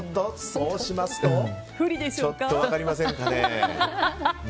そうしますと分かりませんかね。